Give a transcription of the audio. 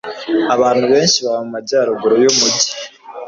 abantu benshi baba mu majyaruguru yumujyi